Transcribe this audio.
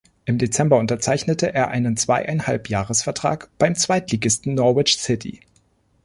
Im Dezember unterzeichnete er einen Zweieinhalb-Jahres-Vertrag beim Zweitligisten Norwich City.